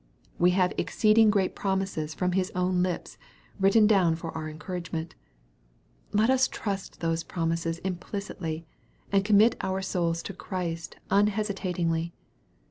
We have exceeding great promises from His own lips, written down for our encouragement. Let us trust those promises implicitly, and commit our souls to Christ unhesitatingly.